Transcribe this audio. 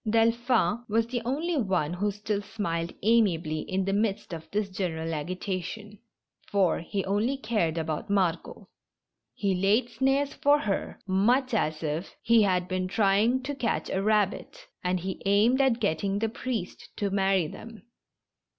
Delphin was th e only one who still smiled amiably in the midst of this general agitation, for he only cared about Margot. He laid snares for her much as if he 206 THE STRANGE CATCH. had been trying to catch a rabbit, and he aimed at get ting the priest to marry them.